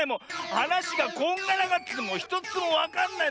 はなしがこんがらがっててひとつもわかんない。